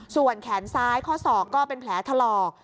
ส่วนแขนซ้ายข้อศอกก็เป็นแผลถลอก